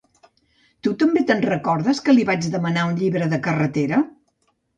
Tu també te'n recordes que li vaig demanar un llibre de carretera?